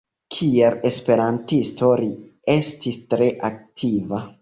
Kiel esperantisto li estis tre aktiva.